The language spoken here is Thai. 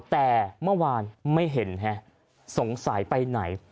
แต่เมื่อวานไม่เห็นฮะสงสัยไปไหน